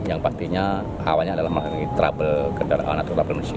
yang pastinya awalnya adalah mengalami trouble kendaraan atau trouble mesin